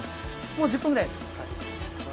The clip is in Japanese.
もう１０分くらいです。